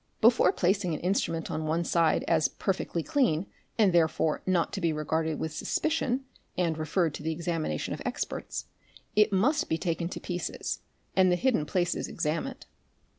Before placing an instrument on one side _as perfectly clean and therefore not to be regarded with suspicion and referred to the examination of experts, it must be taken to pieces and the hidden places examined.